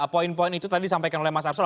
poin poin itu tadi disampaikan oleh mas arsul